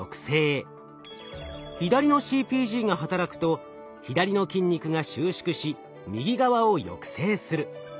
左のＣＰＧが働くと左の筋肉が収縮し右側を抑制する。